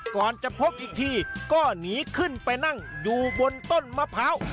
ก่อนจะพบอีกทีก็หนีขึ้นไปนั่งอยู่บนต้นมะพร้าว